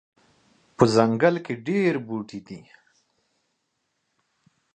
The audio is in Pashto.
په ځنګل کې ډیر بوټي دي